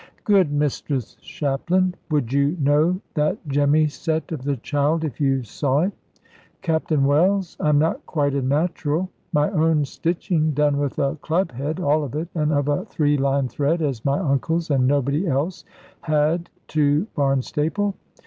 "Good Mistress Shapland, would you know that jemmyset of the child, if you saw it?" "Captain Wells, I am not quite a natural. My own stitching done with a club head, all of it, and of a three lined thread as my uncle's, and nobody else had, to Barnstaple.